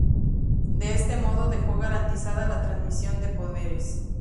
De este modo dejó garantizada la transmisión de poderes.